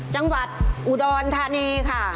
จังหวัดอุดรธานีค่ะ